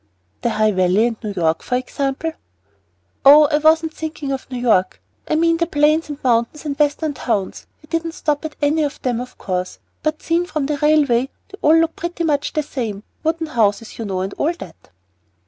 "The High Valley and New York, for example." "Oh, I wasn't thinking of New York. I mean the plains and mountains and the Western towns. We didn't stop at any of them, of course; but seen from the railway they all look pretty much the same, wooden houses, you know, and all that."